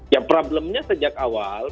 ya problemnya sejak awal